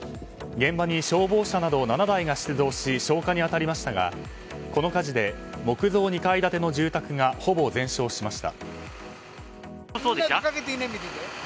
現場に消防車など７台が出動し消火に当たりましたがこの火事で木造２階建ての住宅がほぼ全焼しました。